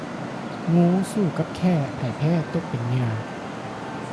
ງູສູ້ກັບແຂ້ ໃຜແພ້ຕົກເປັນເຫຍື່ອ